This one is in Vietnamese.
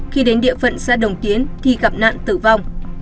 khi đến địa phận xã đồng tiến thì gặp nạn tử vong